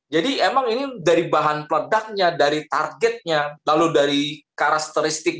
jadi emang ini dari bahan peledaknya dari targetnya lalu dari karakteristiknya